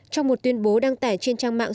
trong một tuyên bố đăng tải trên trang mạng